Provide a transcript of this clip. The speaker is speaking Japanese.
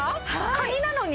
カニなのに？